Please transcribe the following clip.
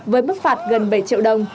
với mức phạt gần bảy triệu đồng